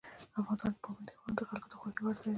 افغانستان کې پابندي غرونه د خلکو د خوښې وړ ځای دی.